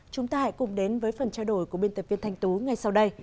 chúng ta hãy cùng đến với phần trao đổi của biên tập viên thanh tú ngay sau đây